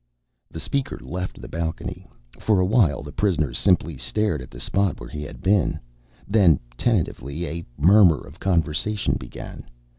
The speaker left the balcony. For a while, the prisoners simply stared at the spot where he had been. Then, tentatively, a murmur of conversation began.